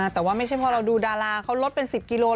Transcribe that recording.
แต่ว่าไม่ใช่พอเราดูดาราเขาลดเป็น๑๐กิโล